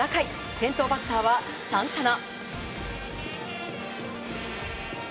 先頭バッターはサンタナ。